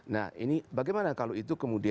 nah ini bagaimana kalau itu kemudian